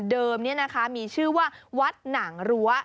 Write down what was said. เดิมมีชื่อว่าวัดหนังรัว